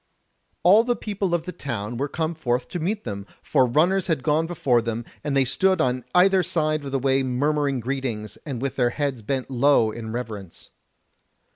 All the people of the town were come forth to meet them, for runners had gone before them, and they stood on either side of the way murmuring greetings, and with their heads bent low in reverence.